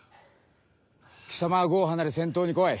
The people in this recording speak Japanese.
貴様は伍を離れ先頭に来い。